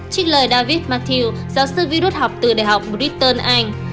trích lời david mathieu giáo sư virus học từ đại học britain anh